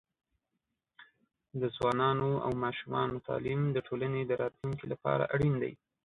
د ځوانانو او ماشومانو تعليم د ټولنې د راتلونکي لپاره اړین دی.